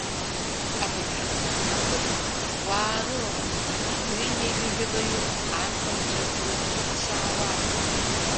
Абыржәы ақыҭақәа уаарылаланы ҩынҩажәеижәабаҩык арԥарацәа узыԥшаауама?